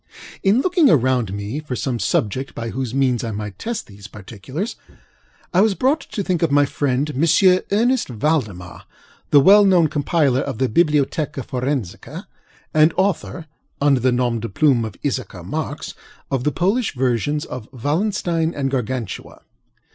In looking around me for some subject by whose means I might test these particulars, I was brought to think of my friend, M. Ernest Valdemar, the well known compiler of the ŌĆ£Bibliotheca Forensica, ŌĆØ and author (under the nom de plume of Issachar Marx) of the Polish versions of ŌĆ£WallensteinŌĆØ and ŌĆ£Gargantua.